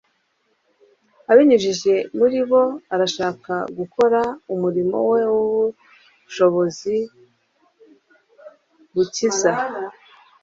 abinyujije muri bo arashaka gukora umurimo we w'ubushobozi bukiza.